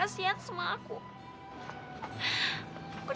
ya kandung pickle susu ini sudah